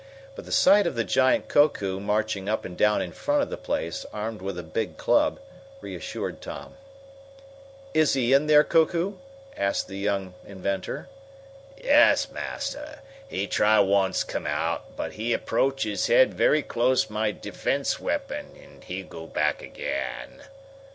But the sight of the giant Koku marching up and down in front of the place, armed with a big club, reassured Tom. "Is he in there, Koku?" asked the young inventor. "Yes, Master! He try once come out, but he approach his head very close my defense weapon and he go back again."